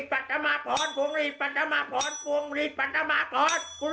จะภวงหลีดปัจจัมหาพรภวงหลีดปัจจัมหาพร